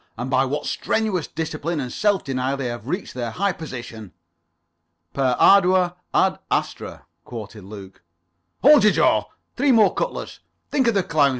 And by what strenuous discipline and self denial they have reached their high position." "'Per ardua ad astra,'" quoted Luke. "Hold your jaw. Three more cutlets. Think of the clowns.